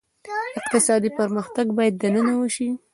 اقتصادي پرمختګ باید دننه وشي.